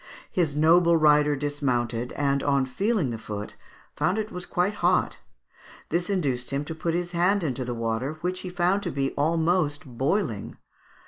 His noble rider dismounted, and on feeling the foot found it was quite hot. This induced him to put his hand into the water, which he found to be almost boiling.